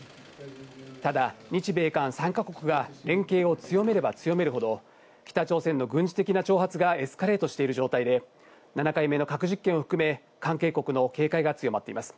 ただ、日米韓３か国が連携を強めれば強めるほど、北朝鮮の軍事的な挑発がエスカレートしている状態で、７回目の核実験を含め、関係国の警戒が強まっています。